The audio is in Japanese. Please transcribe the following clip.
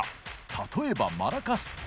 例えばマラカス。